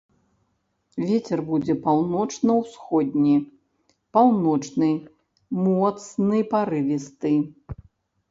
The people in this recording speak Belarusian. Вецер будзе паўночна-ўсходні, паўночны, моцны парывісты.